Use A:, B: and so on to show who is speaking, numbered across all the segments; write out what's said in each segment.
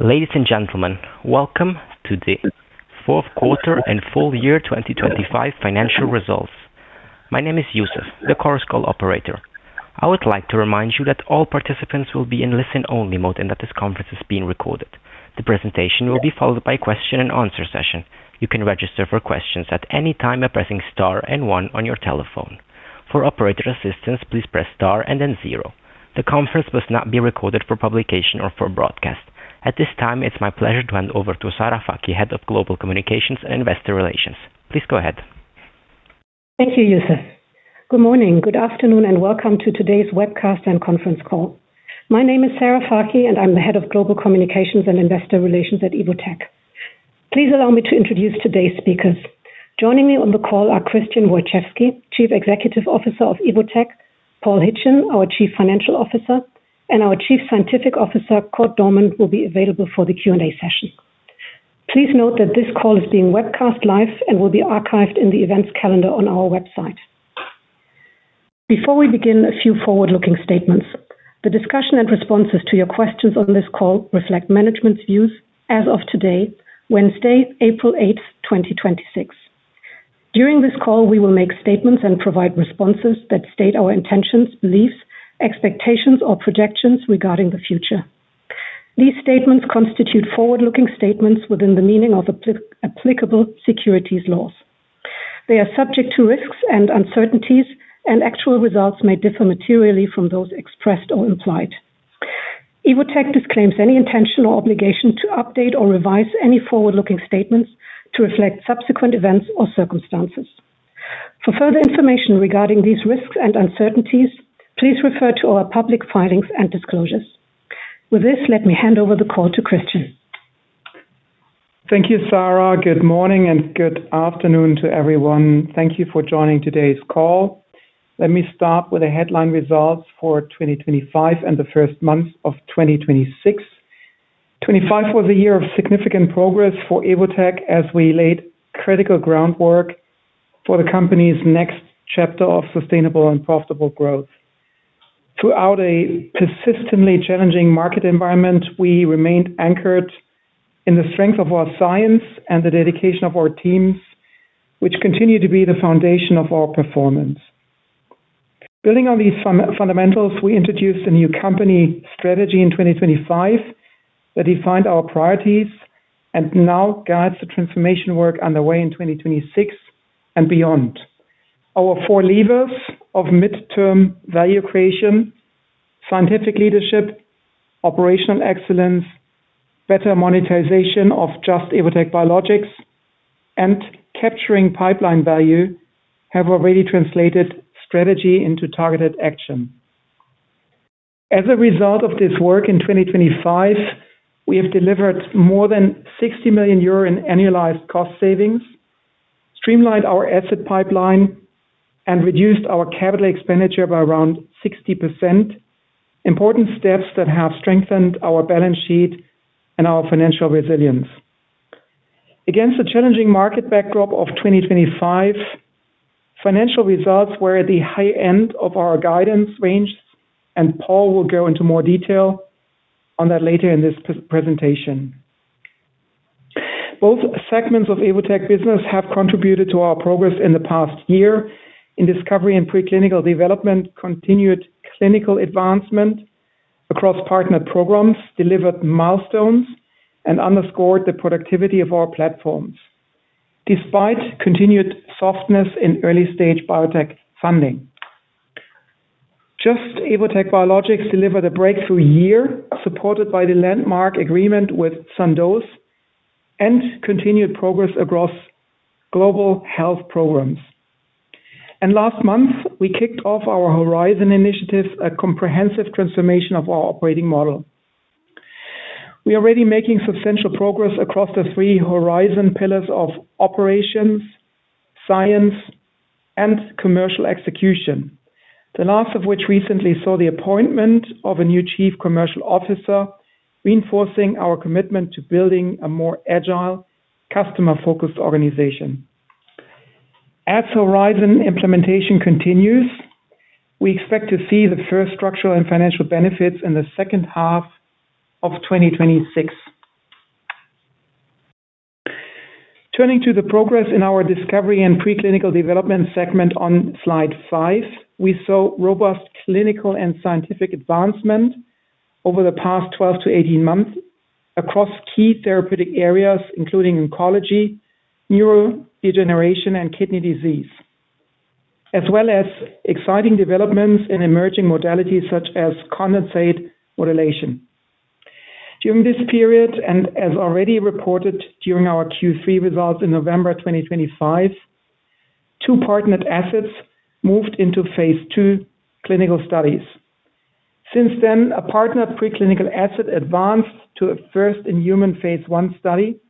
A: Ladies and gentlemen, welcome to the Fourth Quarter and Full-Year 2025 Financial Rresults. My name is Yusuf, the Chorus Call operator. I would like to remind you that all participants will be in listen-only mode and that this conference is being recorded. The presentation will be followed by a question and answer session. You can register for questions at any time by pressing star and one on your telephone. For operator assistance, please press star and then zero. The conference must not be recorded for publication or for broadcast. At this time, it's my pleasure to hand over to Sarah Fakih, Head of Global Communications and Investor Relations. Please go ahead.
B: Thank you, Yusuf. Good morning, good afternoon, and welcome to today's webcast and conference call. My name is Sarah Fakih, and I'm the Head of Global Communications and Investor Relations at Evotec. Please allow me to introduce today's speakers. Joining me on the call are Christian Wojczewskii, Chief Executive Officer of Evotec, Paul Hitchin, our Chief Financial Officer. Our Chief Scientific Officer, Cord Dohrmann, will be available for the Q&A session. Please note that this call is being webcast live and will be archived in the events calendar on our website. Before we begin, a few forward-looking statements. The discussion and responses to your questions on this call reflect management's views as of today, Wednesday, April 8th, 2026. During this call, we will make statements and provide responses that state our intentions, beliefs, expectations, or projections regarding the future. These statements constitute forward-looking statements within the meaning of applicable securities laws. They are subject to risks and uncertainties, and actual results may differ materially from those expressed or implied. Evotec disclaims any intention or obligation to update or revise any forward-looking statements to reflect subsequent events or circumstances. For further information regarding these risks and uncertainties, please refer to our public filings and disclosures. With this, let me hand over the call to Christian.
C: Thank you, Sarah. Good morning and good afternoon to everyone. Thank you for joining today's call. Let me start with the headline results for 2025 and the first month of 2026. 2025 was a year of significant progress for Evotec as we laid critical groundwork for the company's next chapter of sustainable and profitable growth. Throughout a persistently challenging market environment, we remained anchored in the strength of our science and the dedication of our teams, which continue to be the foundation of our performance. Building on these fundamentals, we introduced a new company strategy in 2025 that defined our priorities and now guides the transformation work underway in 2026 and beyond. Our four levers of midterm value creation, scientific leadership, operational excellence, better monetization of Just - Evotec Biologics, and capturing pipeline value have already translated strategy into targeted action. As a result of this work in 2025, we have delivered more than 60 million euro in annualized cost savings, streamlined our asset pipeline, and reduced our capital expenditure by around 60%, important steps that have strengthened our balance sheet and our financial resilience. Against the challenging market backdrop of 2025, financial results were at the high end of our guidance range, and Paul will go into more detail on that later in this presentation. Both segments of Evotec business have contributed to our progress in the past year. In Discovery and Preclinical Development, continued clinical advancement across partner programs delivered milestones and underscored the productivity of our platforms despite continued softness in early-stage biotech funding. Just - Evotec Biologics delivered a breakthrough year supported by the landmark agreement with Sandoz and continued progress across global health programs. Last month, we kicked off our Horizon initiative, a comprehensive transformation of our operating model. We are already making substantial progress across the three Horizon pillars of operations, science, and commercial execution. The last of which recently saw the appointment of a new chief commercial officer, reinforcing our commitment to building a more agile, customer-focused organization. As Horizon implementation continues, we expect to see the first structural and financial benefits in the second half of 2026. Turning to the progress in our discovery and preclinical development segment on slide five, we saw robust clinical and scientific advancement over the past 12-18 months across key therapeutic areas, including oncology, neurodegeneration, and kidney disease, as well as exciting developments in emerging modalities such as condensate modulation. During this period, and as already reported during our Q3 results in November 2025, two partnered assets moved into phase II clinical studies. Since then, a partnered preclinical asset advanced to a first-in-human phase I study,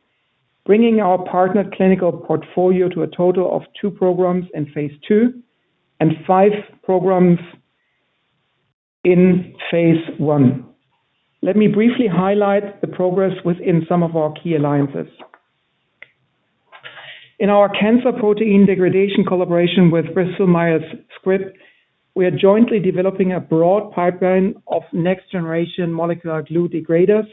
C: bringing our partnered clinical portfolio to a total of two programs in phase II and five programs in phase I. Let me briefly highlight the progress within some of our key alliances. In our cancer protein degradation collaboration with Bristol Myers Squibb, we are jointly developing a broad pipeline of next-generation molecular glue degraders,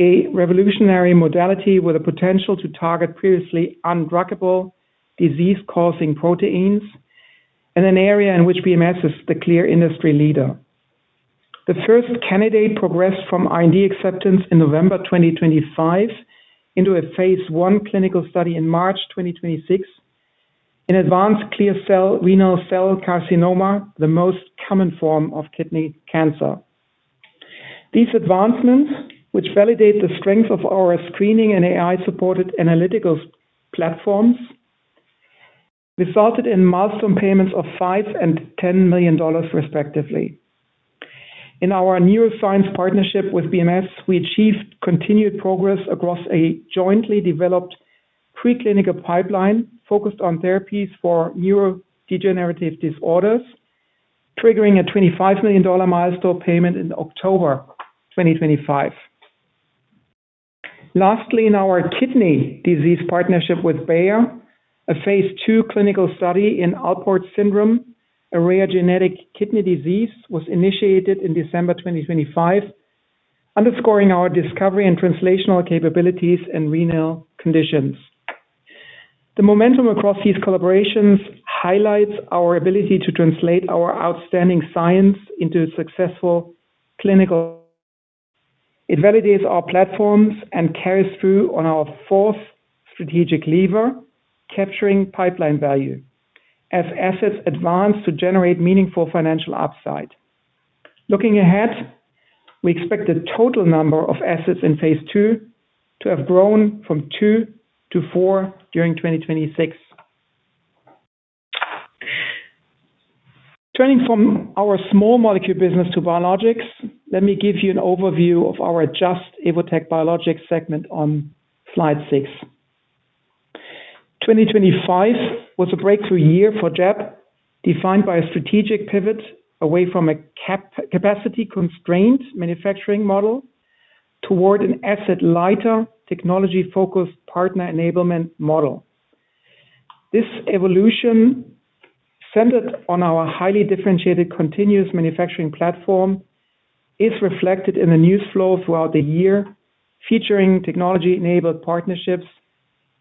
C: a revolutionary modality with the potential to target previously undruggable disease-causing proteins in an area in which BMS is the clear industry leader. The first candidate progressed from IND acceptance in November 2025 into a phase I clinical study in March 2026 in advanced clear cell renal cell carcinoma, the most common form of kidney cancer. These advancements, which validate the strength of our screening and AI-supported analytical platforms, resulted in milestone payments of $5 million and $10 million respectively. In our neuroscience partnership with BMS, we achieved continued progress across a jointly developed preclinical pipeline focused on therapies for neurodegenerative disorders, triggering a $25 million milestone payment in October 2025. Lastly, in our kidney disease partnership with Bayer, a phase II clinical study in Alport syndrome, a rare genetic kidney disease, was initiated in December 2025, underscoring our discovery and translational capabilities in renal conditions. The momentum across these collaborations highlights our ability to translate our outstanding science into successful clinical. It validates our platforms and carries through on our fourth strategic lever, capturing pipeline value as assets advance to generate meaningful financial upside. Looking ahead, we expect the total number of assets in phase II to have grown from two to four during 2026. Turning from our small molecule business to biologics, let me give you an overview of our Just - Evotec Biologics segment on slide six. 2025 was a breakthrough year for JAB, defined by a strategic pivot away from a capacity-constrained manufacturing model toward an asset-lighter, technology-focused partner enablement model. This evolution, centered on our highly differentiated continuous manufacturing platform, is reflected in the news flow throughout the year, featuring technology-enabled partnerships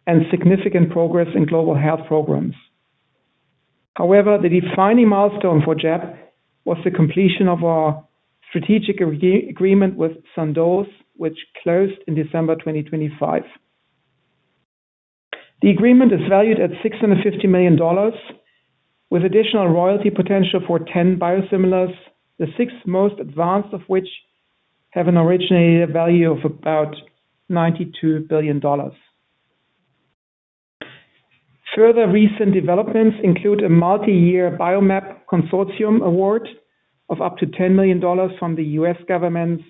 C: and significant progress in global health programs. However, the defining milestone for JAB was the completion of our strategic agreement with Sandoz, which closed in December 2025. The agreement is valued at $650 million with additional royalty potential for 10 biosimilars, the six most advanced of which have an originated value of about $92 billion. Further recent developments include a multi-year BioMaP-Consortium award of up to $10 million from the U.S. government's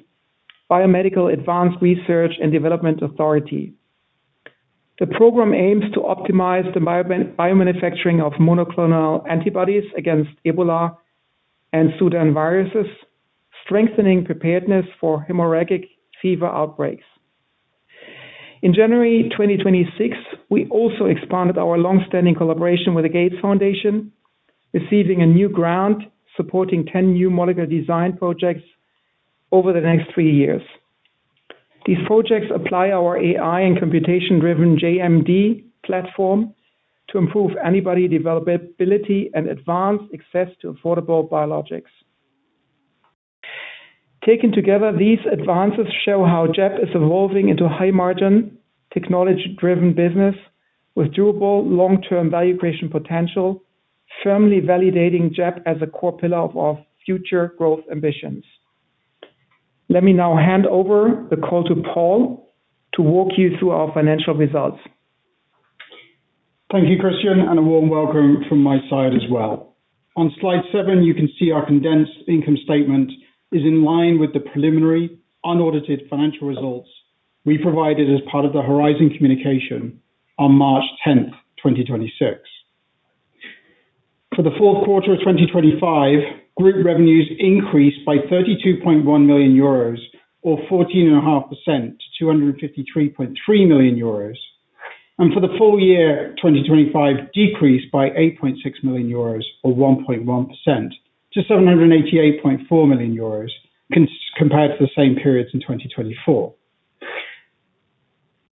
C: Biomedical Advanced Research and Development Authority. The program aims to optimize the biomanufacturing of monoclonal antibodies against Ebola and Sudan viruses, strengthening preparedness for hemorrhagic fever outbreaks. In January 2026, we also expanded our long-standing collaboration with the Gates Foundation, receiving a new grant supporting 10 new molecular design projects over the next three years. These projects apply our AI and computation-driven JMD platform to improve antibody developability and advance access to affordable biologics. Taken together, these advances show how JAB is evolving into a high-margin, technology-driven business with durable long-term value creation potential, firmly validating JAB as a core pillar of our future growth ambitions. Let me now hand over the call to Paul to walk you through our financial results.
D: Thank you, Christian, and a warm welcome from my side as well. On slide seven, you can see our condensed income statement is in line with the preliminary unaudited financial results we provided as part of the Horizon communication on March 10th, 2026. For the fourth quarter of 2025, group revenues increased by 32.1 million euros or 14.5% to 253.3 million euros. For the full-year 2025, decreased by 8.6 million euros or 1.1% to 788.4 million euros compared to the same periods in 2024.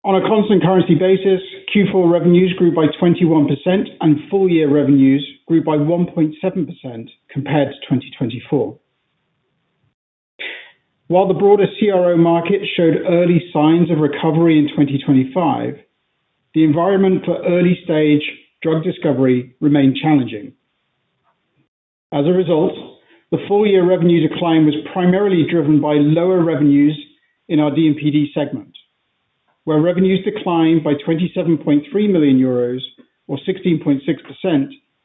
D: On a constant currency basis, Q4 revenues grew by 21% and full-year revenues grew by 1.7% compared to 2024. While the broader CRO market showed early signs of recovery in 2025, the environment for early-stage drug discovery remained challenging. As a result, the full-year revenue decline was primarily driven by lower revenues in our DMPD segment, where revenues declined by 27.3 million euros or 16.6%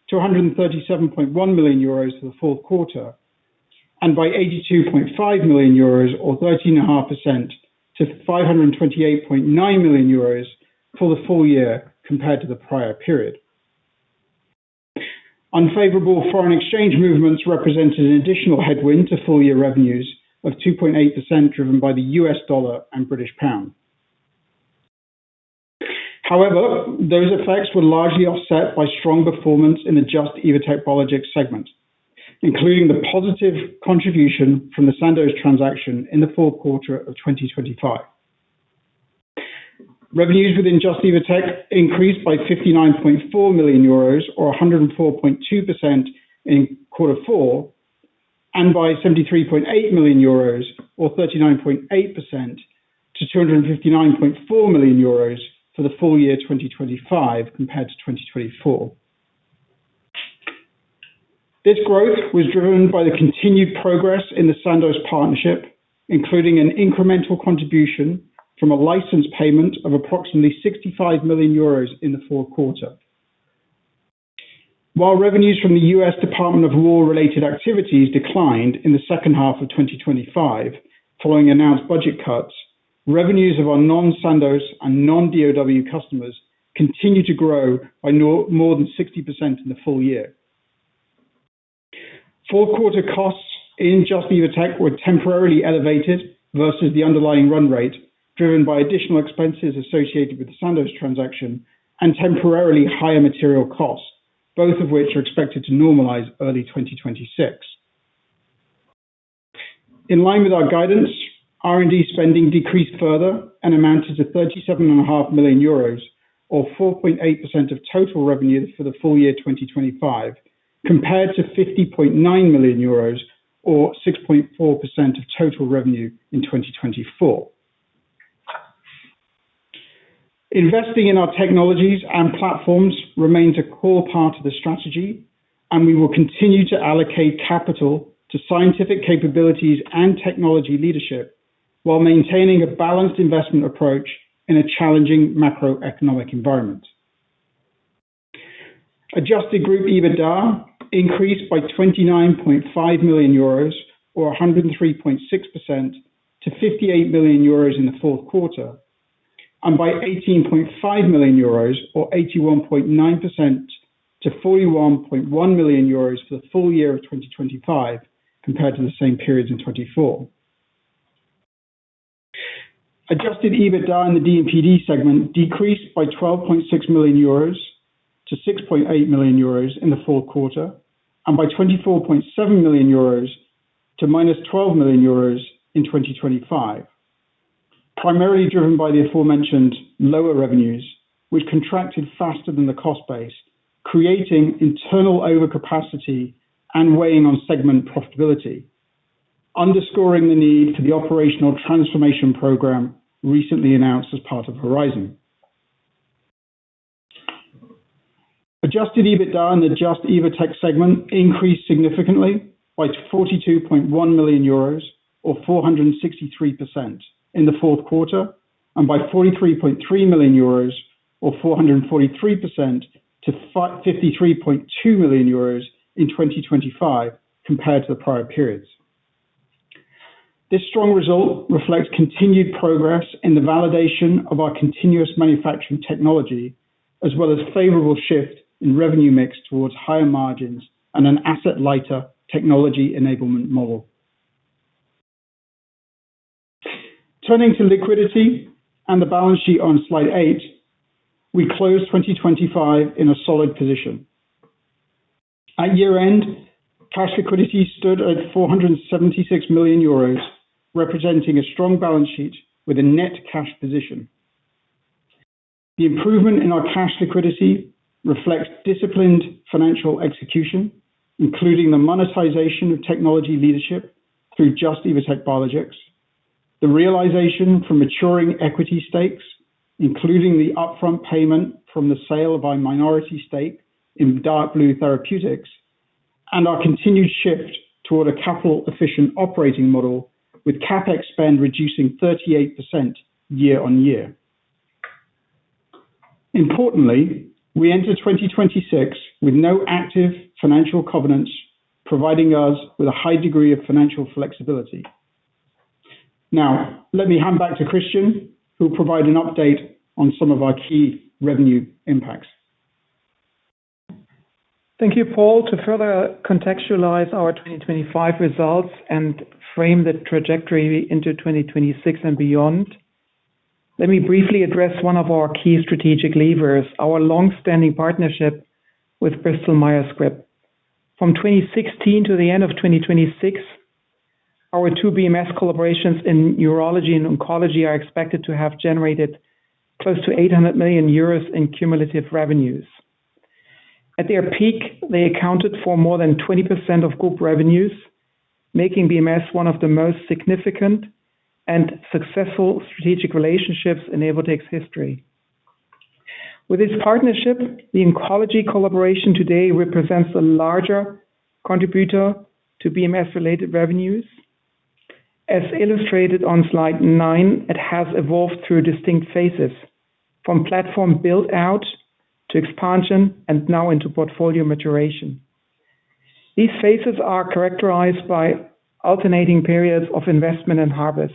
D: to 137.1 million euros for the fourth quarter and by 82.5 million euros or 13.5% to 528.9 million euros for the full-year compared to the prior period. Unfavorable foreign exchange movements represented an additional headwind to full-year revenues of 2.8%, driven by the U.S. dollar and British pound. However, those effects were largely offset by strong performance in the Just - Evotec Biologics segment, including the positive contribution from the Sandoz transaction in the fourth quarter of 2025. Revenues within Just Evotec increased by 59.4 million euros or 104.2% in quarter four, and by 73.8 million euros or 39.8% to 259.4 million euros for the full-year 2025 compared to 2024. This growth was driven by the continued progress in the Sandoz partnership, including an incremental contribution from a license payment of approximately 65 million euros in the fourth quarter. While revenues from the U.S. Department of Defense-related activities declined in the second half of 2025, following announced budget cuts, revenues of our non-Sandoz and non-DoD customers continue to grow by more than 60% in the full-year. Fourth quarter costs in Just - Evotec were temporarily elevated versus the underlying run rate, driven by additional expenses associated with the Sandoz transaction and temporarily higher material costs, both of which are expected to normalize early 2026. In line with our guidance, R&D spending decreased further and amounted to 37.5 million euros or 4.8% of total revenues for the full-year 2025, compared to 50.9 million euros or 6.4% of total revenue in 2024. Investing in our technologies and platforms remains a core part of the strategy, and we will continue to allocate capital to scientific capabilities and technology leadership while maintaining a balanced investment approach in a challenging macroeconomic environment. Adjusted group EBITDA increased by 29.5 million euros or 103.6% to 58 million euros in the fourth quarter, and by 18.5 million euros or 81.9% to 41.1 million euros for the full-year of 2025 compared to the same periods in 2024. Adjusted EBITDA in the DMPD segment decreased by 12.6 million euros to 6.8 million euros in the fourth quarter, and by 24.7 million euros to -12 million euros in 2025. Primarily driven by the aforementioned lower revenues, which contracted faster than the cost base, creating internal overcapacity and weighing on segment profitability, underscoring the need for the operational transformation program recently announced as part of Horizon. Adjusted EBITDA in the Just - Evotec segment increased significantly by 22.1 million euros or 463% in the fourth quarter, and by 43.3 million euros or 443% to 53.2 million euros in 2025 compared to the prior periods. This strong result reflects continued progress in the validation of our continuous manufacturing technology, as well as favorable shift in revenue mix towards higher margins and an asset lighter technology enablement model. Turning to liquidity and the balance sheet on slide eight, we closed 2025 in a solid position. At year-end, cash liquidity stood at 476 million euros, representing a strong balance sheet with a net cash position. The improvement in our cash liquidity reflects disciplined financial execution, including the monetization of technology leadership through Just - Evotec Biologics, the realization from maturing equity stakes, including the upfront payment from the sale of our minority stake in Dark Blue Therapeutics, and our continued shift toward a capital-efficient operating model with CapEx spend reducing 38% year-over-year. Importantly, we enter 2026 with no active financial covenants, providing us with a high degree of financial flexibility. Now let me hand back to Christian, who'll provide an update on some of our key revenue impacts.
C: Thank you, Paul. To further contextualize our 2025 results and frame the trajectory into 2026 and beyond, let me briefly address one of our key strategic levers, our long-standing partnership with Bristol Myers Squibb. From 2016 to the end of 2026, our two BMS collaborations in urology and oncology are expected to have generated close to 800 million euros in cumulative revenues. At their peak, they accounted for more than 20% of group revenues, making BMS one of the most significant and successful strategic relationships in Evotec's history. With this partnership, the oncology collaboration today represents a larger contributor to BMS-related revenues. As illustrated on slide nine, it has evolved through distinct phases, from platform build-out to expansion, and now into portfolio maturation. These phases are characterized by alternating periods of investment and harvest,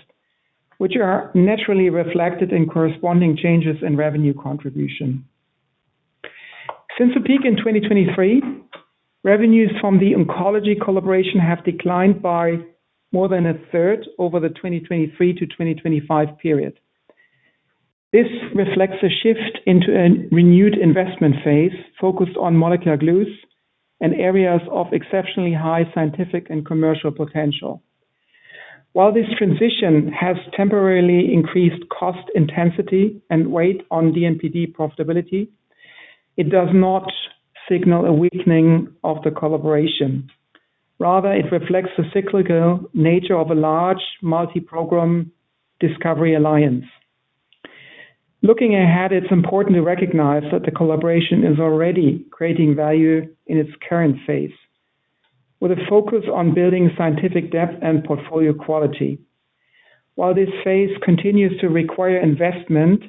C: which are naturally reflected in corresponding changes in revenue contribution. Since the peak in 2023, revenues from the oncology collaboration have declined by more than a third over the 2023 to 2025 period. This reflects a shift into a renewed investment phase focused on molecular glues and areas of exceptionally high scientific and commercial potential. While this transition has temporarily increased cost intensity and weight on DMPD profitability, it does not signal a weakening of the collaboration. Rather, it reflects the cyclical nature of a large multi-program discovery alliance. Looking ahead, it's important to recognize that the collaboration is already creating value in its current phase, with a focus on building scientific depth and portfolio quality. While this phase continues to require investment,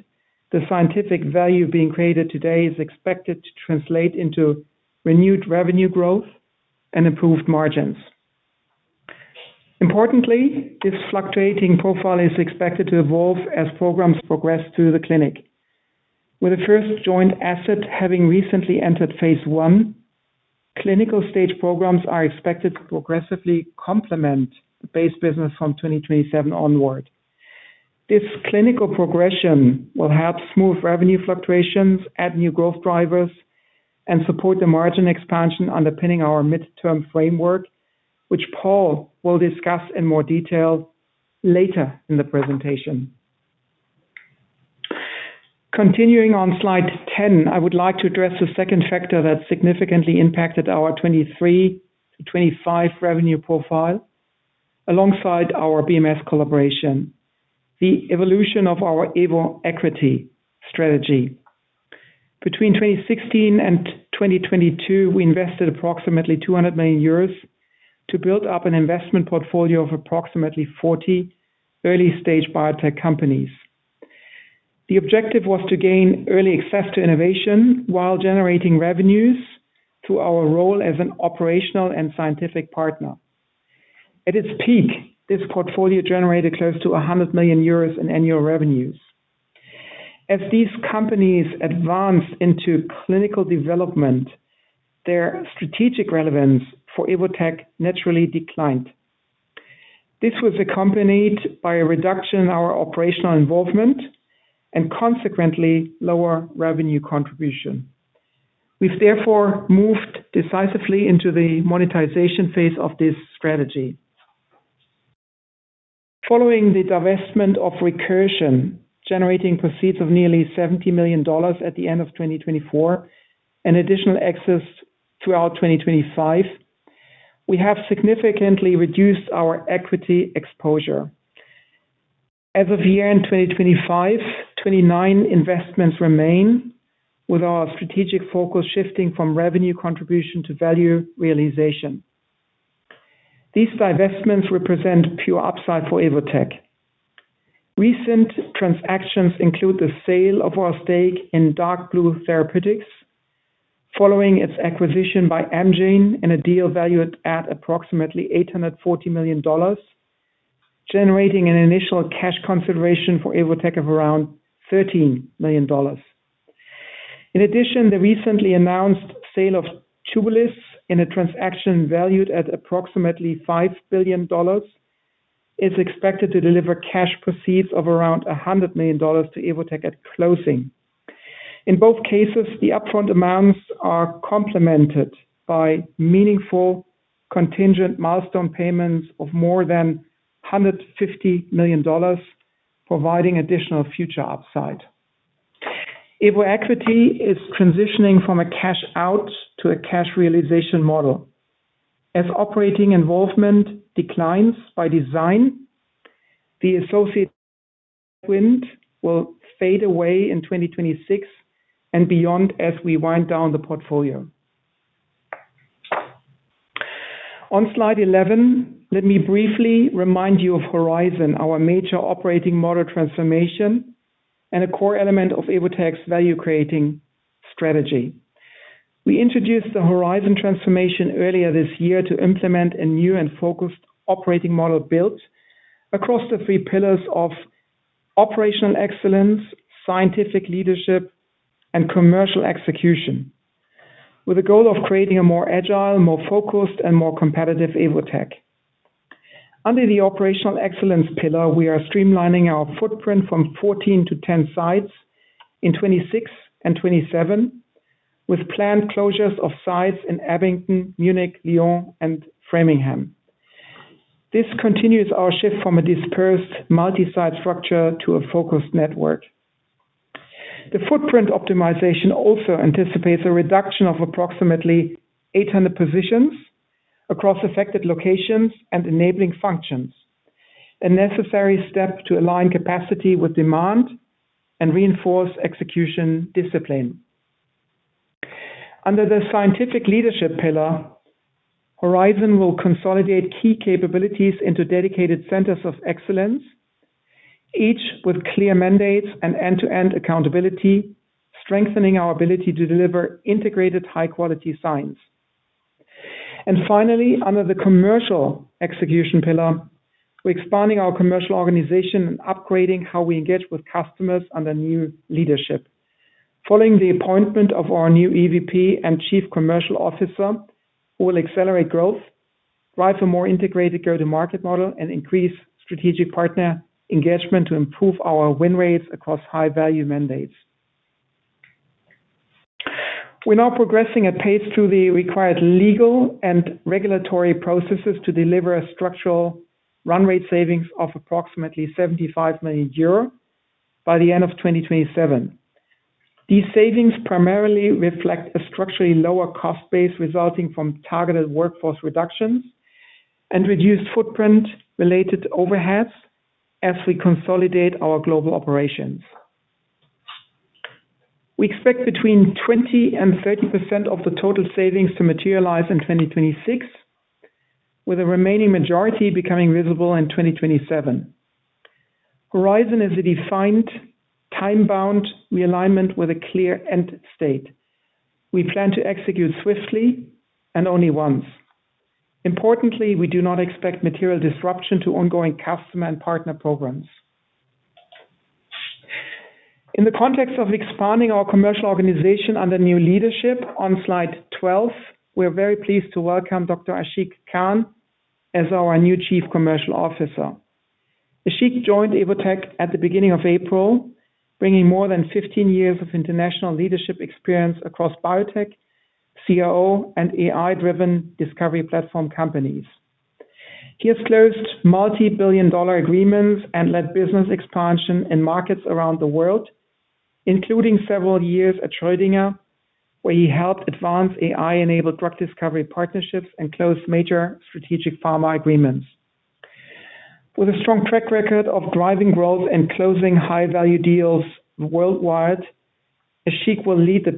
C: the scientific value being created today is expected to translate into renewed revenue growth and improved margins. Importantly, this fluctuating profile is expected to evolve as programs progress through the clinic. With the first joint asset having recently entered phase I, clinical stage programs are expected to progressively complement the base business from 2027 onward. This clinical progression will help smooth revenue fluctuations, add new growth drivers, and support the margin expansion underpinning our midterm framework, which Paul will discuss in more detail later in the presentation. Continuing on slide 10, I would like to address the second factor that significantly impacted our 2023 to 2025 revenue profile alongside our BMS collaboration, the evolution of our EVOequity strategy. Between 2016 and 2022, we invested approximately 200 million euros to build up an investment portfolio of approximately 40 early-stage biotech companies. The objective was to gain early access to innovation while generating revenues through our role as an operational and scientific partner. At its peak, this portfolio generated close to 100 million euros in annual revenues. As these companies advanced into clinical development, their strategic relevance for Evotec naturally declined. This was accompanied by a reduction in our operational involvement and consequently lower revenue contribution. We've therefore moved decisively into the monetization phase of this strategy. Following the divestment of Recursion, generating proceeds of nearly $70 million at the end of 2024, and additional access throughout 2025, we have significantly reduced our equity exposure. As of year-end 2025, 29 investments remain with our strategic focus shifting from revenue contribution to value realization. These divestments represent pure upside for Evotec. Recent transactions include the sale of our stake in Dark Blue Therapeutics following its acquisition by Amgen in a deal valued at approximately $840 million, generating an initial cash consideration for Evotec of around $13 million. In addition, the recently announced sale of Tubulis in a transaction valued at approximately $5 billion is expected to deliver cash proceeds of around $100 million to Evotec at closing. In both cases, the upfront amounts are complemented by meaningful contingent milestone payments of more than $150 million, providing additional future upside. EVOequity is transitioning from a cash-out to a cash realization model. As operating involvement declines by design, the associate wind will fade away in 2026 and beyond as we wind down the portfolio. On slide 11, let me briefly remind you of Horizon, our major operating model transformation and a core element of Evotec's value-creating strategy. We introduced the Horizon transformation earlier this year to implement a new and focused operating model built across the three pillars of operational excellence, scientific leadership, and commercial execution with the goal of creating a more agile, more focused, and more competitive Evotec. Under the operational excellence pillar, we are streamlining our footprint from 14 to 10 sites in 2026 and 2027 with planned closures of sites in Abingdon, Munich, Lyon, and Framingham. This continues our shift from a dispersed multi-site structure to a focused network. The footprint optimization also anticipates a reduction of approximately 800 positions across affected locations and enabling functions, a necessary step to align capacity with demand and reinforce execution discipline. Under the scientific leadership pillar, Horizon will consolidate key capabilities into dedicated centers of excellence, each with clear mandates and end-to-end accountability, strengthening our ability to deliver integrated high-quality science. Finally, under the commercial execution pillar, we're expanding our commercial organization and upgrading how we engage with customers under new leadership following the appointment of our new EVP and chief commercial officer, who will accelerate growth, drive a more integrated go-to-market model, and increase strategic partner engagement to improve our win rates across high-value mandates. We're now progressing at pace through the required legal and regulatory processes to deliver a structural run rate savings of approximately 75 million euro by the end of 2027. These savings primarily reflect a structurally lower cost base resulting from targeted workforce reductions and reduced footprint-related overheads as we consolidate our global operations. We expect between 20%-30% of the total savings to materialize in 2026, with the remaining majority becoming visible in 2027. Horizon is a defined time-bound realignment with a clear end state. We plan to execute swiftly and only once. Importantly, we do not expect material disruption to ongoing customer and partner programs. In the context of expanding our commercial organization under new leadership, on slide 12, we're very pleased to welcome Dr. Ashiq Khan as our new Chief Commercial Officer. Ashiq joined Evotec at the beginning of April, bringing more than 15 years of international leadership experience across biotech, CRO, and AI-driven discovery platform companies. He has closed multi-billion dollar agreements and led business expansion in markets around the world, including several years at Schrödinger, where he helped advance AI-enabled drug discovery partnerships and close major strategic pharma agreements. With a strong track record of driving growth and closing high-value deals worldwide, Ashiq will lead the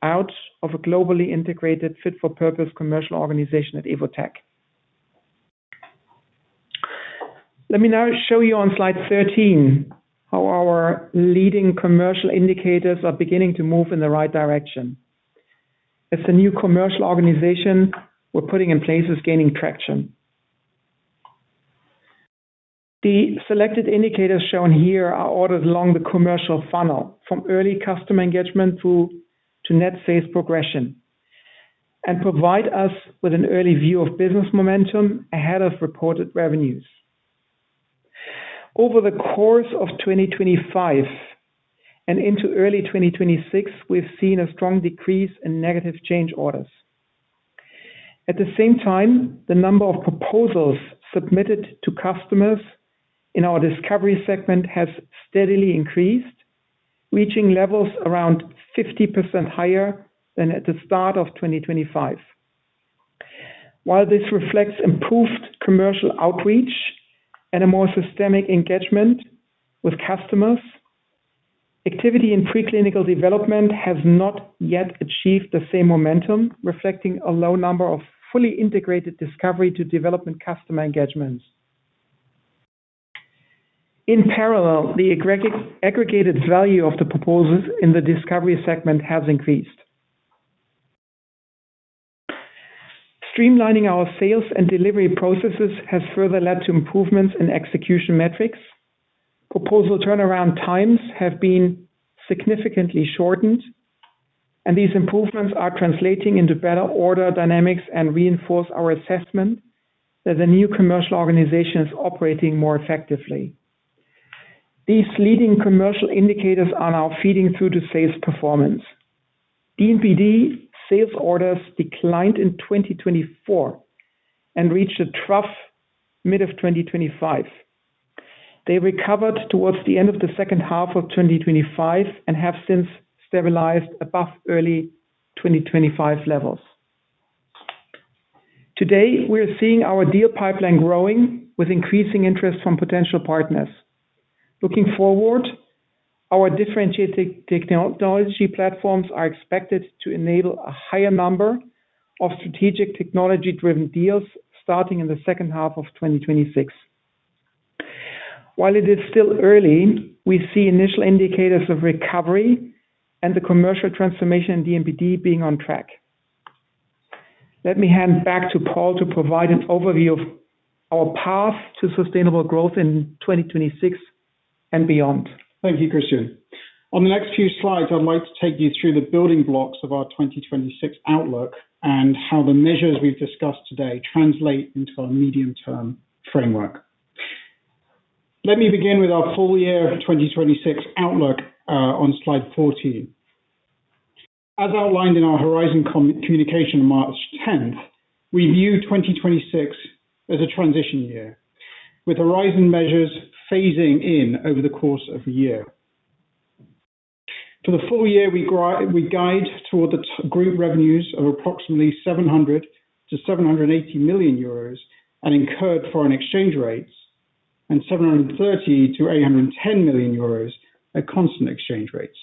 C: build-out of a globally integrated fit-for-purpose commercial organization at Evotec. Let me now show you on slide 13 how our leading commercial indicators are beginning to move in the right direction, as the new commercial organization we're putting in place is gaining traction. The selected indicators shown here are ordered along the commercial funnel, from early customer engagement through to net sales progression, and provide us with an early view of business momentum ahead of reported revenues. Over the course of 2025 and into early 2026, we've seen a strong decrease in negative change orders. At the same time, the number of proposals submitted to customers in our discovery segment has steadily increased, reaching levels around 50% higher than at the start of 2025. While this reflects improved commercial outreach and a more systemic engagement with customers, activity in preclinical development has not yet achieved the same momentum, reflecting a low number of fully integrated discovery to development customer engagements. In parallel, the aggregated value of the proposals in the discovery segment has increased. Streamlining our sales and delivery processes has further led to improvements in execution metrics. Proposal turnaround times have been significantly shortened, and these improvements are translating into better order dynamics and reinforce our assessment that the new commercial organization is operating more effectively. These leading commercial indicators are now feeding through to sales performance. DMPD sales orders declined in 2024 and reached a trough mid of 2025. They recovered towards the end of the second half of 2025 and have since stabilized above early 2025 levels. Today, we're seeing our deal pipeline growing with increasing interest from potential partners. Looking forward, our differentiated technology platforms are expected to enable a higher number of strategic technology-driven deals starting in the second half of 2026. While it is still early, we see initial indicators of recovery and the commercial transformation in DMPD being on track. Let me hand back to Paul to provide an overview of our path to sustainable growth in 2026 and beyond.
D: Thank you, Christian. On the next few slides, I'd like to take you through the building blocks of our 2026 outlook and how the measures we've discussed today translate into our medium-term framework. Let me begin with our full-year 2026 outlook on slide 14. As outlined in our Horizon communication on March 10th, we view 2026 as a transition year, with Horizon measures phasing in over the course of the year. For the full-year, we guide toward the group revenues of approximately 700 million-780 million euros at incurred foreign exchange rates and 730 million-810 million euros at constant exchange rates.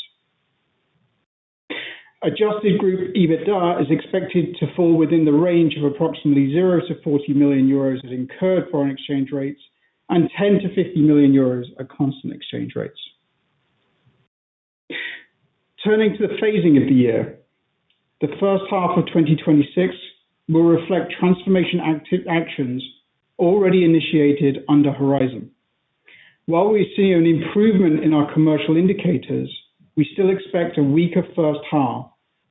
D: Adjusted group EBITDA is expected to fall within the range of approximately 0-40 million euros at incurred foreign exchange rates, and 10 million-50 million euros at constant exchange rates. Turning to the phasing of the year. The first half of 2026 will reflect transformation actions already initiated under Horizon. While we see an improvement in our commercial indicators, we still expect a weaker first half,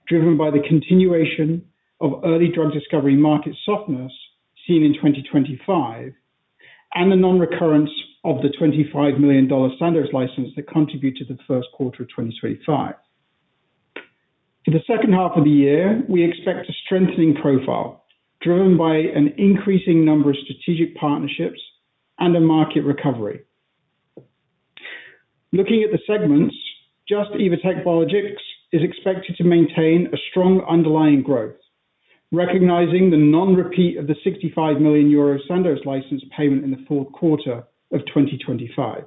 D: driven by the continuation of early drug discovery market softness seen in 2025, and the non-recurrence of the $25 million Sandoz license that contributed to the first quarter of 2025. In the second half of the year, we expect a strengthening profile driven by an increasing number of strategic partnerships and a market recovery. Looking at the Just - Evotec Biologics is expected to maintain a strong underlying growth, recognizing the non-repeat of the 65 million euro Sandoz license payment in the fourth quarter of 2025.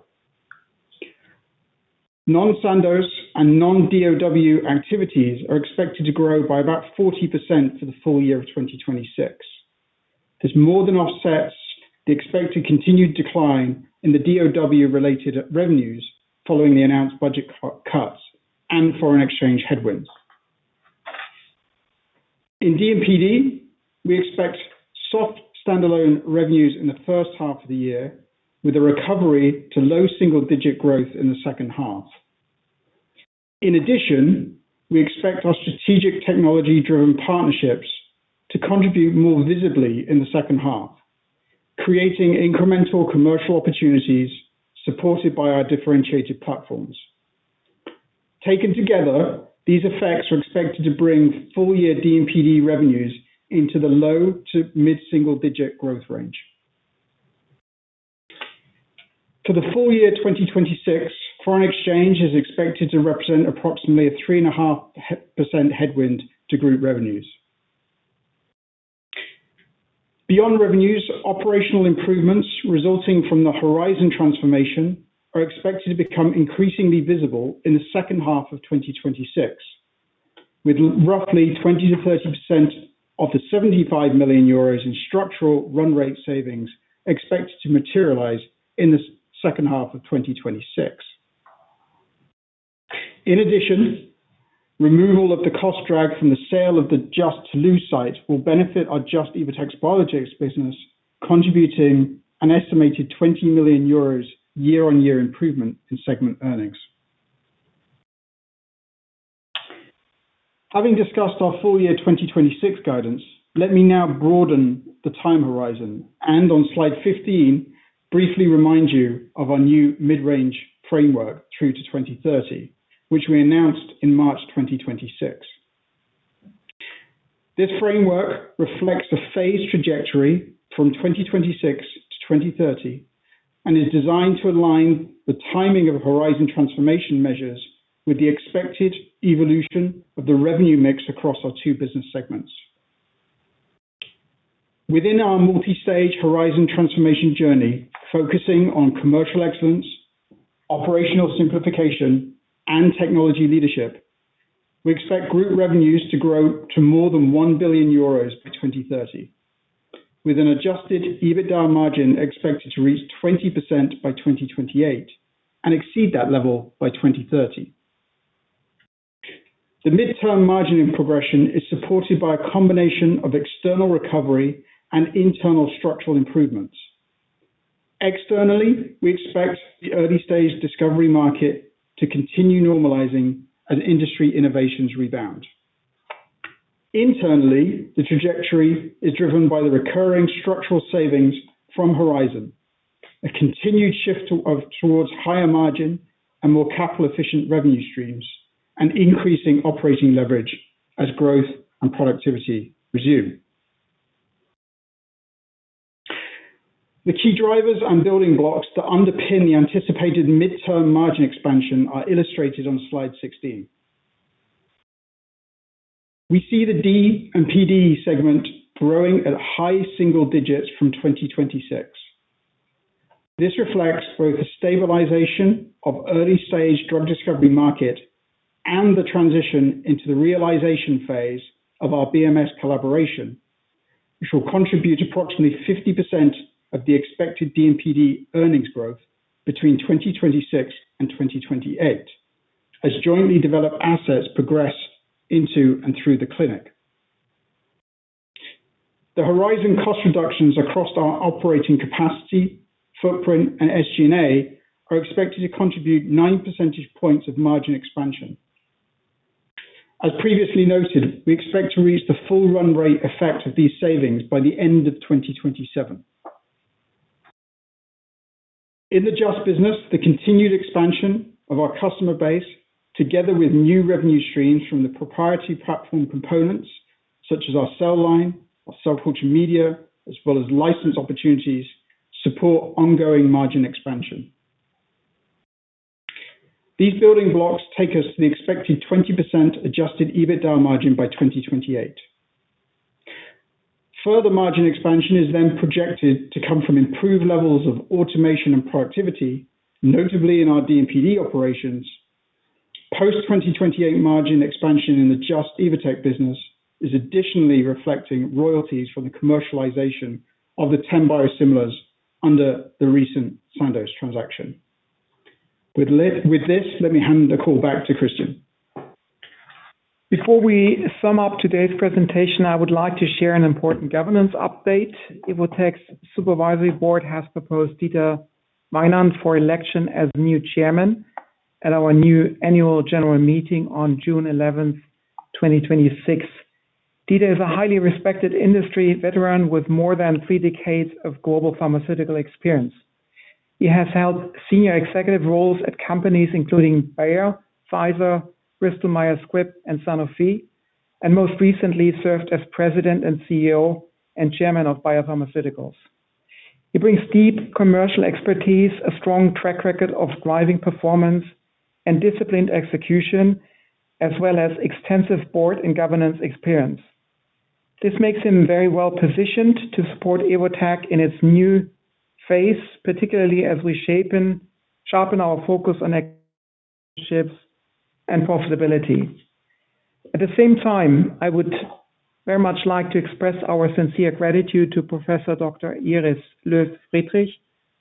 D: Non-Sandoz and non-DoD activities are expected to grow by about 40% for the full-year of 2026. This more than offsets the expected continued decline in the DoD related revenues following the announced budget cuts and foreign exchange headwinds. In DMPD, we expect soft standalone revenues in the first half of the year, with a recovery to low single-digit growth in the second half. In addition, we expect our strategic technology-driven partnerships to contribute more visibly in the second half, creating incremental commercial opportunities supported by our differentiated platforms. Taken together, these effects are expected to bring full-year DMPD revenues into the low to mid-single-digit growth range. For the full-year 2026, foreign exchange is expected to represent approximately 3.5% headwind to group revenues. Beyond revenues, operational improvements resulting from the Horizon transformation are expected to become increasingly visible in the second half of 2026, with roughly 20%-30% of the 75 million euros in structural run rate savings expected to materialize in the second half of 2026. In addition, removal of the cost drag from the sale of the Just Toulouse site will benefit our Just - Evotec Biologics business, contributing an estimated 20 million euros year-on-year improvement in segment earnings. Having discussed our full-year 2026 guidance, let me now broaden the time horizon and on slide 15, briefly remind you of our new mid-range framework through to 2030, which we announced in March 2026. This framework reflects a phased trajectory from 2026 to 2030 and is designed to align the timing of Horizon transformation measures with the expected evolution of the revenue mix across our two business segments. Within our multi-stage Horizon transformation journey, focusing on commercial excellence, operational simplification and technology leadership, we expect group revenues to grow to more than 1 billion euros by 2030, with an adjusted EBITDA margin expected to reach 20% by 2028 and exceed that level by 2030. The midterm margin in progression is supported by a combination of external recovery and internal structural improvements. Externally, we expect the early stage discovery market to continue normalizing as industry innovations rebound. Internally, the trajectory is driven by the recurring structural savings from Horizon, a continued shift towards higher margin and more capital efficient revenue streams, and increasing operating leverage as growth and productivity resume. The key drivers and building blocks that underpin the anticipated midterm margin expansion are illustrated on slide 16. We see the DMPD segment growing at high single digits from 2026. This reflects both a stabilization of early stage drug discovery market and the transition into the realization phase of our BMS collaboration, which will contribute approximately 50% of the expected DMPD earnings growth between 2026 and 2028 as jointly developed assets progress into and through the clinic. The Horizon cost reductions across our operating capacity, footprint and SG&A are expected to contribute nine percentage points of margin expansion. As previously noted, we expect to reach the full run rate effect of these savings by the end of 2027. In the Just business, the continued expansion of our customer base, together with new revenue streams from the proprietary platform components such as our cell line, our cell culture media, as well as license opportunities, support ongoing margin expansion. These building blocks take us to the expected 20% Adjusted EBITDA margin by 2028. Further margin expansion is then projected to come from improved levels of automation and productivity, notably in our DMPD operations. Post 2028 margin expansion in the Just - Evotec business is additionally reflecting royalties from the commercialization of the 10 biosimilars under the recent Sandoz transaction. With this, let me hand the call back to Christian.
C: Before we sum up today's presentation, I would like to share an important governance update. Evotec Supervisory Board has proposed Dieter Weinand for election as new chairman at our next annual general meeting on June 11th, 2026. Dieter is a highly respected industry veteran with more than three decades of global pharmaceutical experience. He has held senior executive roles at companies including Bayer, Pfizer, Bristol Myers Squibb, and Sanofi, and most recently served as President and CEO and Chairman of Bayer Pharmaceuticals. He brings deep commercial expertise, a strong track record of driving performance and disciplined execution, as well as extensive board and governance experience. This makes him very well-positioned to support Evotec in its new phase, particularly as we sharpen our focus on cash and profitability. At the same time, I would very much like to express our sincere gratitude to Professor Dr. Iris Löw-Friedrich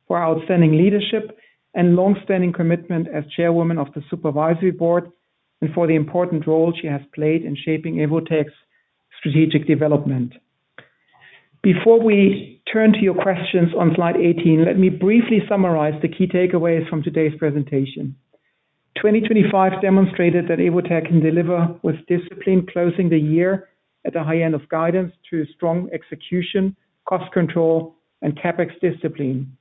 C: for outstanding leadership and long-standing commitment as chairwoman of the Supervisory Board and for the important role she has played in shaping Evotec's strategic development. Before we turn to your questions on slide 18, let me briefly summarize the key takeaways from today's presentation. 2025 demonstrated that Evotec can deliver with discipline, closing the year at the high end of guidance through strong execution, cost control and CapEx discipline,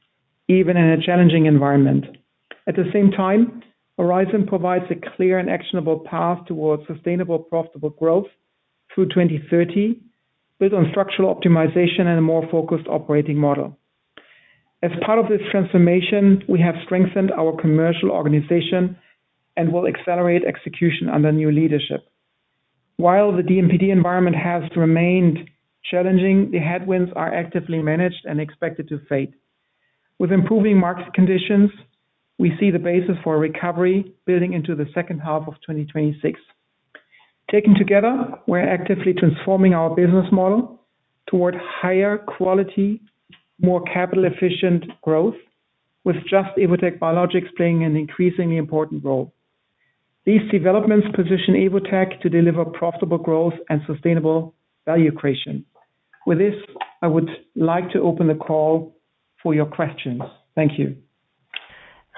C: even in a challenging environment. At the same time, Horizon provides a clear and actionable path towards sustainable, profitable growth through 2030, built on structural optimization and a more focused operating model. As part of this transformation, we have strengthened our commercial organization and will accelerate execution under new leadership. While the DMPD environment has remained challenging, the headwinds are actively managed and expected to fade. With improving market conditions, we see the basis for recovery building into the second half of 2026. Taken together, we're actively transforming our business model toward higher quality, more capital efficient growth, with Just - Evotec Biologics playing an increasingly important role. These developments position Evotec to deliver profitable growth and sustainable value creation. With this, I would like to open the call for your questions. Thank you.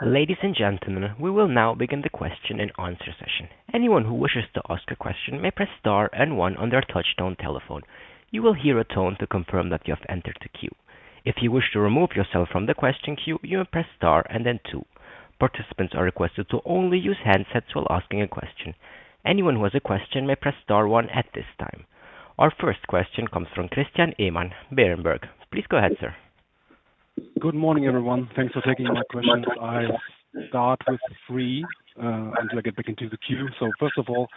A: Ladies and gentlemen, we will now begin the question and answer session. Anyone who wishes to ask a question may press star and one on their touchtone telephone. You will hear a tone to confirm that you have entered the queue. If you wish to remove yourself from the question queue, you may press star and then two. Participants are requested to only use handsets while asking a question. Anyone who has a question may press star one at this time. Our first question comes from Christian Ehmann, Berenberg. Please go ahead, sir.
E: Good morning, everyone. Thanks for taking my questions. I'll start with a few until I get back into the queue. First of all,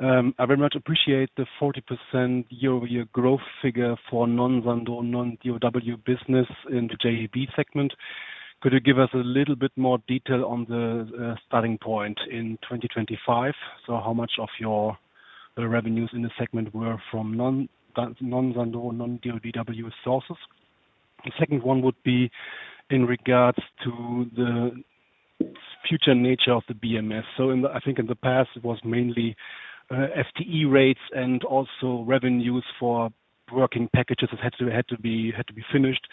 E: I very much appreciate the 40% year-over-year growth figure for non-Sandoz, non-DoD business in the JAB segment. Could you give us a little bit more detail on the starting point in 2025? How much of your revenues in the segment were from non-Sandoz, non-DoD sources? The second one would be in regards to the future nature of the BMS. I think in the past it was mainly FTE rates and also revenues for work packages that had to be finished.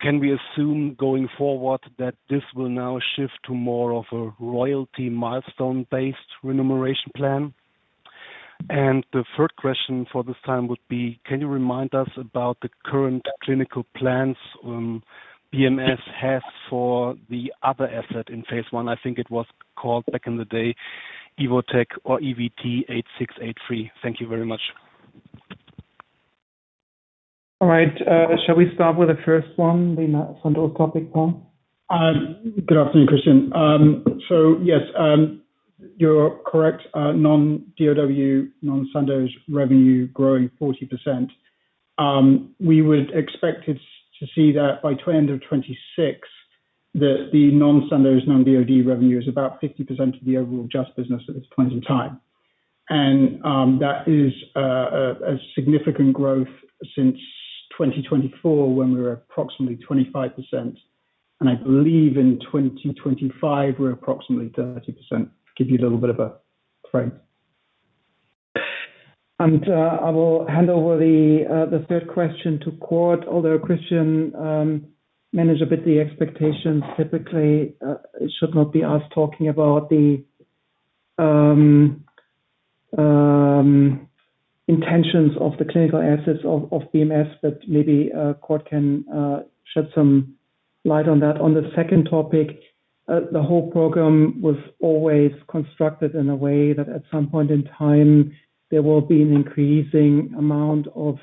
E: Can we assume going forward that this will now shift to more of a royalty milestone-based remuneration plan? The third question for this time would be, can you remind us about the current clinical plans BMS has for the other asset in phase I? I think it was called back in the day Evotec or EVT8683. Thank you very much.
C: All right. Shall we start with the first one, the Sandoz topic, Paul?
D: Good afternoon, Christian. Yes, you're correct, non-DoD, non-Sandoz revenue growing 40%. We would expect to see that by end of 2026 that the non-Sandoz, non-DoD revenue is about 50% of the overall just business at this point in time. That is a significant growth since 2024 when we were approximately 25%. I believe in 2025 we're approximately 30%, to give you a little bit of a frame.
C: I will hand over the third question to Cord, although Christian managed a bit the expectations. Typically, it should not be us talking about the intentions of the clinical assets of BMS, but maybe Cord can shed some light on that. On the second topic, the whole program was always constructed in a way that at some point in time, there will be an increasing amount of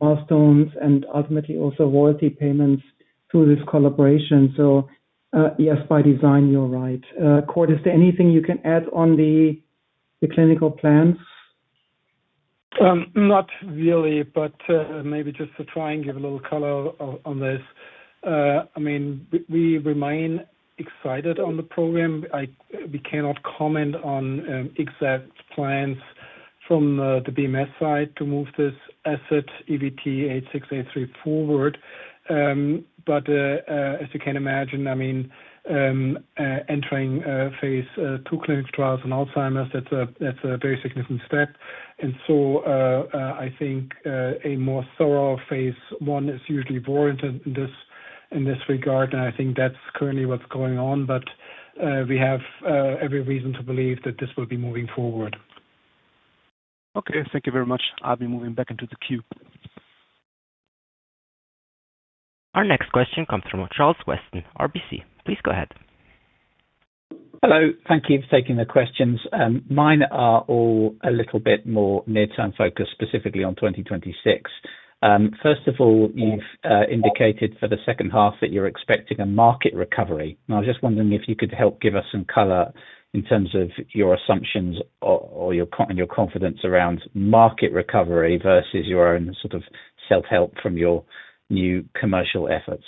C: milestones and ultimately also royalty payments through this collaboration. Yes, by design, you're right. Cord, is there anything you can add on the clinical plans?
F: Not really, but maybe just to try and give a little color on this. We remain excited about the program. We cannot comment on exact plans from the BMS side to move this asset, EVT8683, forward. As you can imagine, entering phase II clinical trials on Alzheimer's, that's a very significant step. I think a more thorough phase I is usually warranted in this regard, and I think that's currently what's going on. We have every reason to believe that this will be moving forward.
E: Okay. Thank you very much. I'll be moving back into the queue.
A: Our next question comes from Charles Weston, RBC. Please go ahead.
G: Hello. Thank you for taking the questions. Mine are all a little bit more near-term focused, specifically on 2026. First of all, you've indicated for the second half that you're expecting a market recovery. I was just wondering if you could help give us some color in terms of your assumptions or your confidence around market recovery versus your own sort of self-help from your new commercial efforts.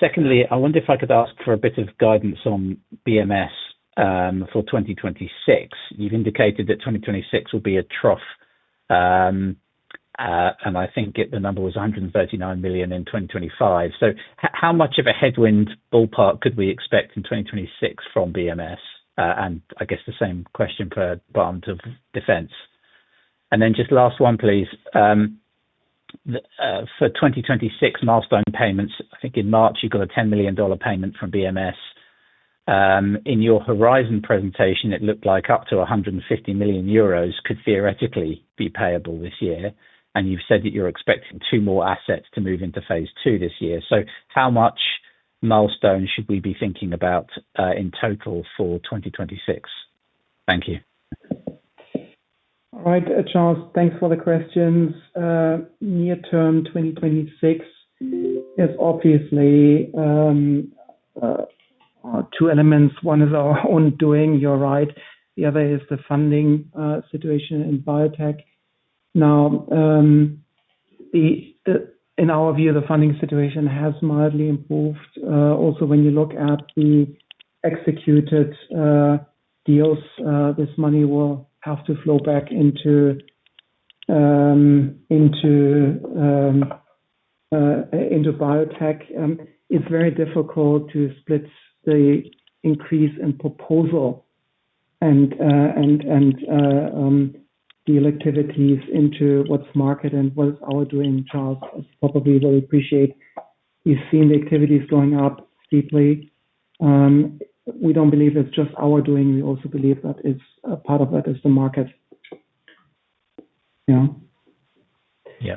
G: Secondly, I wonder if I could ask for a bit of guidance on BMS for 2026. You've indicated that 2026 will be a trough, and I think the number was 139 million in 2025. How much of a headwind ballpark could we expect in 2026 from BMS? I guess the same question for Department of Defense. Just last one, please. For 2026 milestone payments, I think in March you got a $10 million payment from BMS. In your Horizon presentation, it looked like up to 150 million euros could theoretically be payable this year, and you've said that you're expecting two more assets to move into phase II this year. How much milestones should we be thinking about in total for 2026? Thank you.
C: All right, Charles, thanks for the questions. Near term 2026 is obviously two elements. One is our own doing, you're right. The other is the funding situation in biotech. Now, in our view, the funding situation has mildly improved. Also, when you look at the executed deals, this money will have to flow back into biotech, and it's very difficult to split the increase in proposal and deal activities into what's market and what's our doing. Charles would probably really appreciate. We've seen the activities going up steeply. We don't believe it's just our doing, we also believe that a part of that is the market. Yeah.
G: Yeah.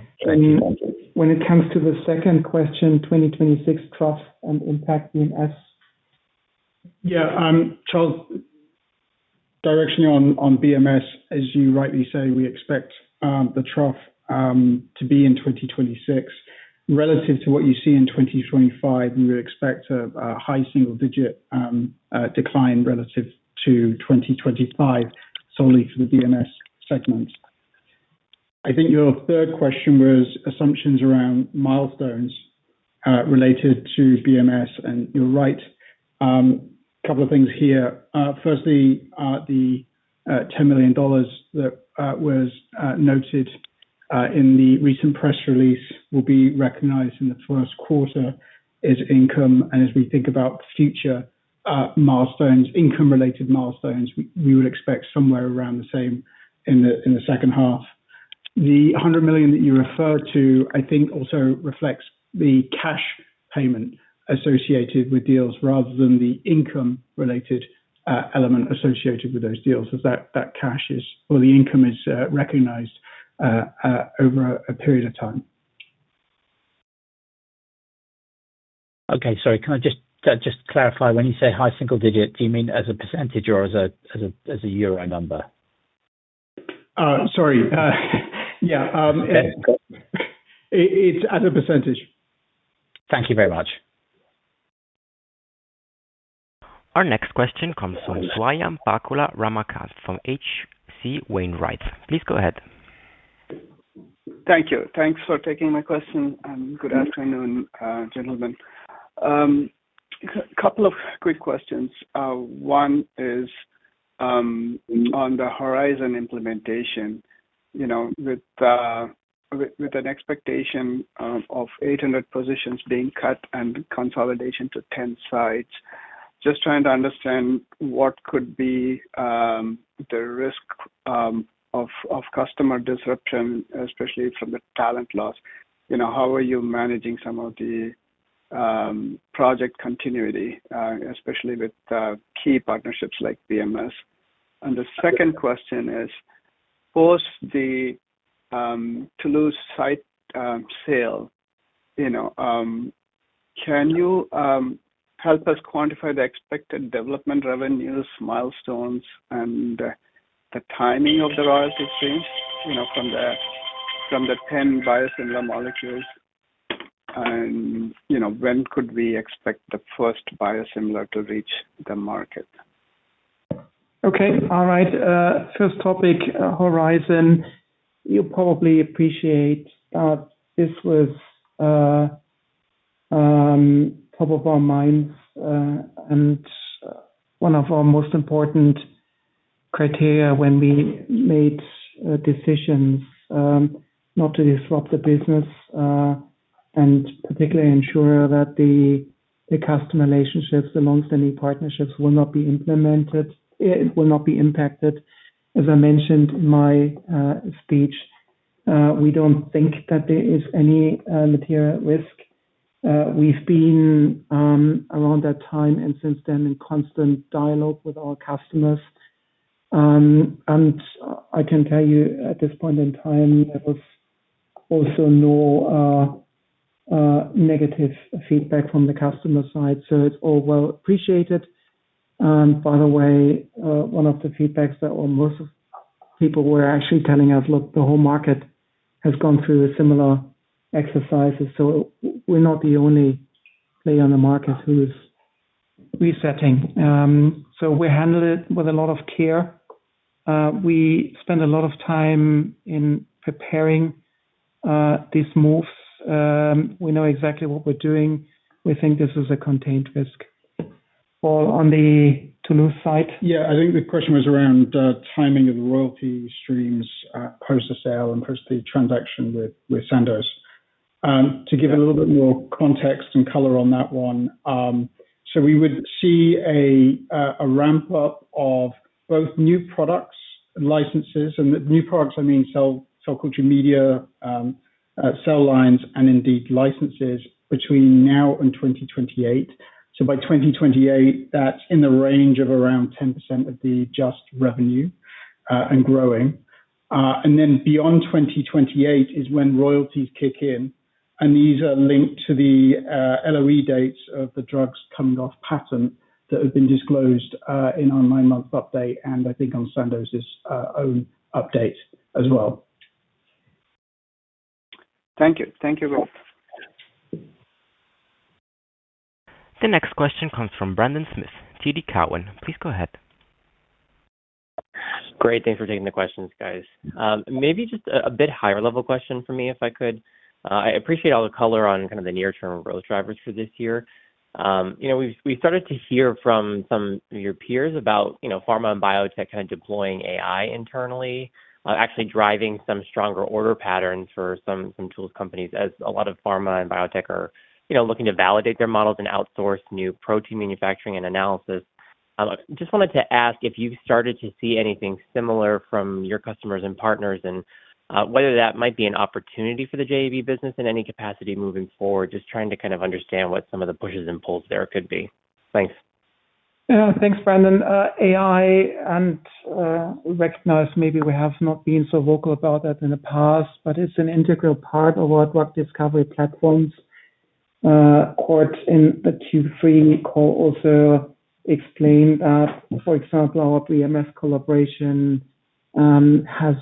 C: When it comes to the second question, 2026 trough and impact BMS.
D: Yeah. Charles, directionally on BMS, as you rightly say, we expect the trough to be in 2026. Relative to what you see in 2025, we would expect a high single-digit decline relative to 2025 solely for the BMS segment. I think your third question was assumptions around milestones related to BMS, and you're right. Couple of things here. Firstly, the $10 million that was noted in the recent press release will be recognized in the first quarter as income. As we think about future milestones, income-related milestones, we would expect somewhere around the same in the second half. The $100 million that you referred to I think also reflects the cash payment associated with deals rather than the income-related element associated with those deals, as that cash is, or the income is recognized over a period of time.
G: Okay. Sorry. Can I just clarify when you say high single-digit, do you mean as a percentage or as a euro number?
D: Sorry. Yeah.
G: Okay.
D: It's as a percentage.
G: Thank you very much.
A: Our next question comes from Swayampakula Ramakanth from H.C. Wainwright. Please go ahead.
H: Thank you. Thanks for taking my question, and good afternoon, gentlemen. Couple of quick questions. One is on the Horizon implementation. With an expectation of 800 positions being cut and consolidation to 10 sites, just trying to understand what could be the risk of customer disruption, especially from the talent loss. How are you managing some of the project continuity, especially with key partnerships like BMS? And the second question is, post the Toulouse site sale, can you help us quantify the expected development revenues, milestones, and the timing of the royalty fees from the 10 biosimilar molecules? And when could we expect the first biosimilar to reach the market?
C: Okay. All right. First topic, Horizon. You probably appreciate that this was top of our minds and one of our most important criteria when we made decisions not to disrupt the business and particularly ensure that the customer relationships amongst any partnerships will not be impacted. As I mentioned in my speech, we don't think that there is any material risk. We've been, around that time and since then, in constant dialogue with our customers. I can tell you at this point in time, there was also no negative feedback from the customer side. It's all well appreciated. By the way, one of the feedbacks that most people were actually telling us, "Look, the whole market has gone through similar exercises." We're not the only player on the market who is resetting. We handle it with a lot of care. We spend a lot of time in preparing these moves. We know exactly what we're doing. We think this is a contained risk. Paul, on the Touluse side.
D: Yeah, I think the question was around timing of the royalty streams post the sale and post the transaction with Sandoz. To give a little bit more context and color on that one. We would see a ramp-up of both new products and licenses, and new products, I mean, so culture media, cell lines, and indeed licenses between now and 2028. By 2028, that's in the range of around 10% of the Just revenue, and growing. Then beyond 2028 is when royalties kick in, and these are linked to the LOE dates of the drugs coming off patent that have been disclosed in our nine-month update and I think on Sandoz's own update as well.
H: Thank you. Thank you both.
A: The next question comes from Brendan Smith, TD Cowen. Please go ahead.
I: Great. Thanks for taking the questions, guys. Maybe just a bit higher-level question from me, if I could. I appreciate all the color on kind of the near-term growth drivers for this year. We started to hear from some of your peers about pharma and biotech kind of deploying AI internally, actually driving some stronger order patterns for some tools companies as a lot of pharma and biotech are looking to validate their models and outsource new protein manufacturing and analysis. Just wanted to ask if you've started to see anything similar from your customers and partners and whether that might be an opportunity for the JV business in any capacity moving forward. Just trying to kind of understand what some of the pushes and pulls there could be. Thanks.
C: Yeah. Thanks, Brendan. AI and we recognize maybe we have not been so vocal about that in the past, but it's an integral part of our drug discovery platforms. Cord in the Q3 call also explained that, for example, our BMS collaboration has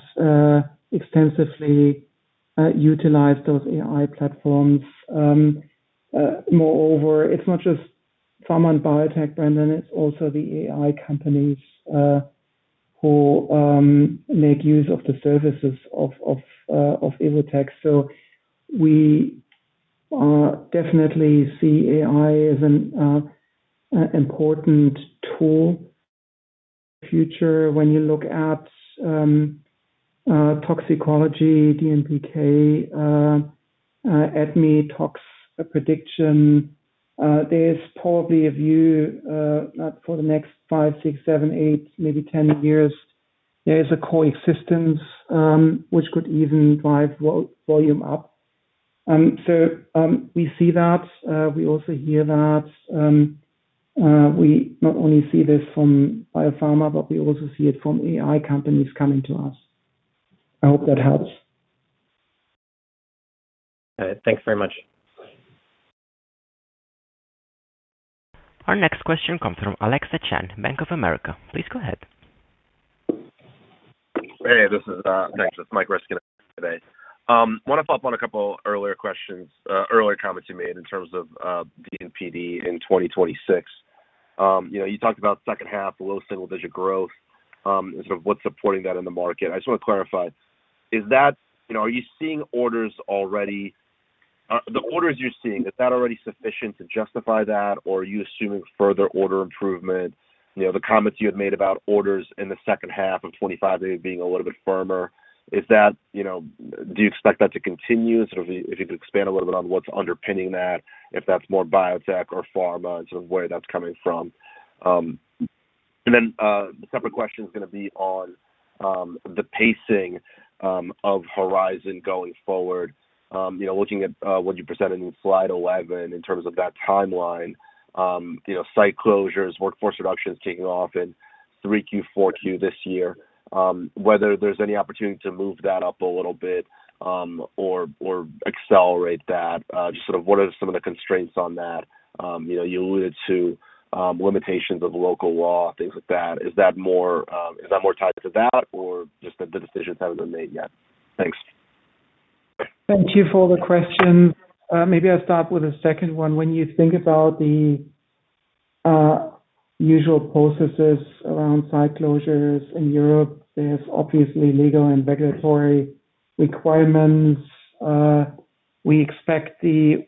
C: extensively utilized those AI platforms. Moreover, it's not just pharma and biotech, Brendan, it's also the AI companies who make use of the services of Evotec. We definitely see AI as an important tool for the future when you look at toxicology, DMPK, ADME-Tox prediction. There's probably a view for the next five, six, seven, eight, maybe 10 years. There's a coexistence, which could even drive volume up. We see that, we also hear that. We not only see this from biopharma, but we also see it from AI companies coming to us. I hope that helps.
I: All right. Thanks very much.
A: Our next question comes from Alexa Chan, Bank of America. Please go ahead.
J: Hey, thanks. It's Mike Raskin today. Want to follow up on a couple earlier comments you made in terms of DMPD in 2026. You talked about second half, low single-digit growth, and sort of what's supporting that in the market. I just want to clarify, are you seeing orders already? The orders you're seeing, is that already sufficient to justify that, or are you assuming further order improvement? The comments you had made about orders in the second half of 2025 being a little bit firmer, do you expect that to continue? Sort of if you could expand a little bit on what's underpinning that, if that's more biotech or pharma and sort of where that's coming from. Then, the separate question is going to be on the pacing of Horizon going forward. Looking at what you presented in slide 11 in terms of that timeline, site closures, workforce reductions kicking off in 3Q, 4Q this year, whether there's any opportunity to move that up a little bit, or accelerate that. Just sort of what are some of the constraints on that? You alluded to limitations of local law, things like that. Is that more tied to that, or just that the decisions haven't been made yet? Thanks.
C: Thank you for the question. Maybe I'll start with the second one. When you think about the usual processes around site closures in Europe, there's obviously legal and regulatory requirements. We expect the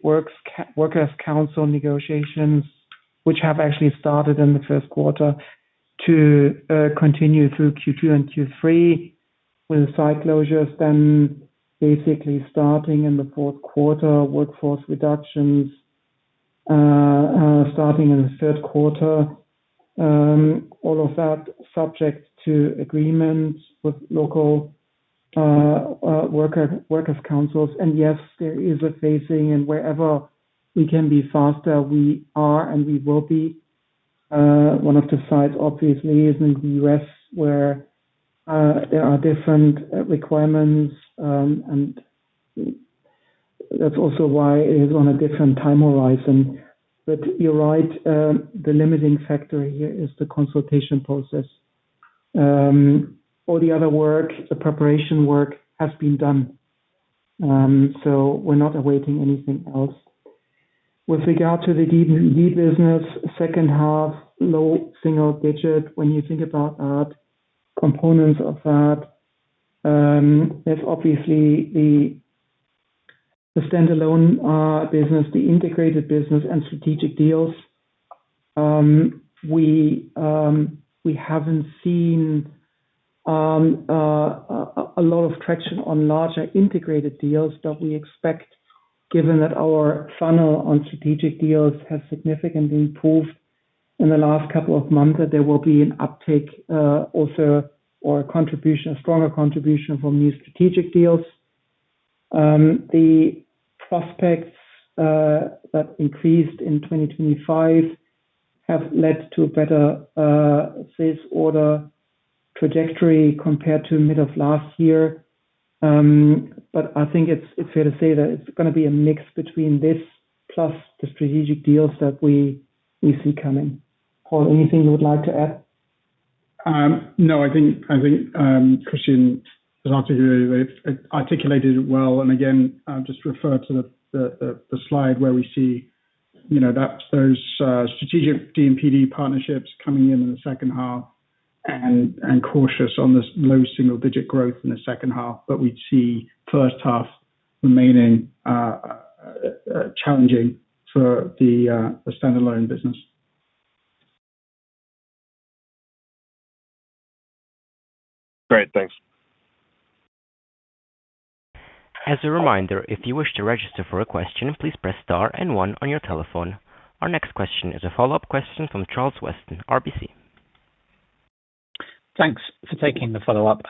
C: workers' council negotiations, which have actually started in the first quarter, to continue through Q2 and Q3, with the site closures then basically starting in the fourth quarter, workforce reductions starting in the third quarter. All of that subject to agreements with local workers' councils. Yes, there is a phasing and wherever we can be faster, we are, and we will be. One of the sites obviously is in the U.S. where there are different requirements, and that's also why it is on a different time horizon. You're right, the limiting factor here is the consultation process. All the other work, the preparation work, has been done. We're not awaiting anything else. With regard to the DMPD business, second half, low-single-digit, when you think about that, components of that, there's obviously the standalone business, the integrated business, and strategic deals. We haven't seen a lot of traction on larger integrated deals, but we expect given that our funnel on strategic deals has significantly improved in the last couple of months, that there will be an uptake also, or a stronger contribution from new strategic deals. The prospects that increased in 2025 have led to a better sales order trajectory compared to mid of last year. I think it's fair to say that it's going to be a mix between this plus the strategic deals that we see coming. Paul, anything you would like to add?
D: No, I think Christian has articulated it well, and again, I'll just refer to the slide where we see those strategic DMPD partnerships coming in in the second half and cautious on this low-single-digit growth in the second half. We'd see first half remaining challenging for the standalone business.
J: Great. Thanks.
A: As a reminder, if you wish to register for a question, please press star and one on your telephone. Our next question is a follow-up question from Charles Weston, RBC.
G: Thanks for taking the follow-up.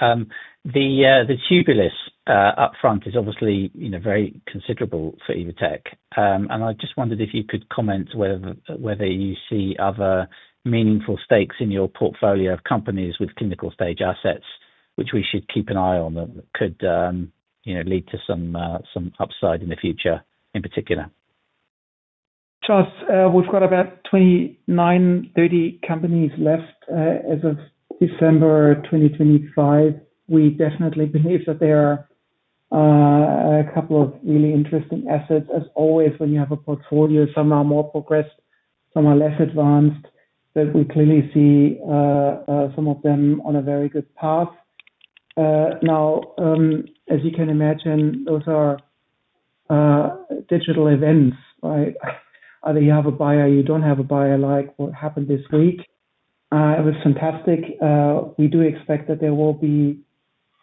G: The Tubulis up front is obviously very considerable for Evotec. I just wondered if you could comment whether you see other meaningful stakes in your portfolio of companies with clinical stage assets, which we should keep an eye on that could lead to some upside in the future in particular.
C: Charles, we've got about 29-30 companies left as of December 2025. We definitely believe that there are a couple of really interesting assets. As always, when you have a portfolio, some are more progressed, some are less advanced, but we clearly see some of them on a very good path. Now, as you can imagine, those are deal events. Either you have a buyer, you don't have a buyer, like what happened this week. It was fantastic. We do expect that there will be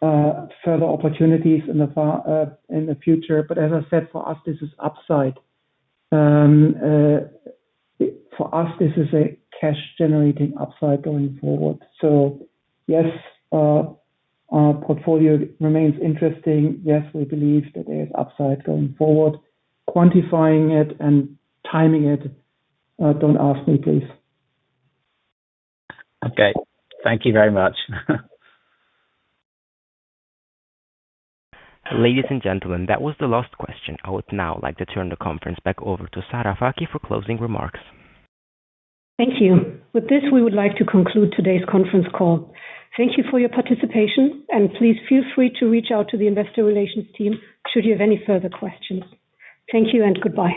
C: further opportunities in the future. As I said, for us, this is upside. For us, this is a cash-generating upside going forward. Yes, our portfolio remains interesting. Yes, we believe that there is upside going forward. Quantifying it and timing it, don't ask me, please.
G: Okay. Thank you very much.
A: Ladies and gentlemen, that was the last question. I would now like to turn the conference back over to Sarah Fakih for closing remarks.
B: Thank you. With this, we would like to conclude today's conference call. Thank you for your participation, and please feel free to reach out to the investor relations team should you have any further questions. Thank you and goodbye.